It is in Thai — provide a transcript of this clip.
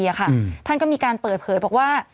สุขจังหวัดลบบุรีอ่ะค่ะอืมท่านก็มีการเปิดเผยบอกว่า